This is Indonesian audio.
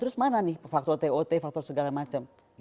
terus mana nih faktor tot faktor segala macam